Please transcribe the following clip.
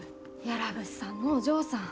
屋良物産のお嬢さん。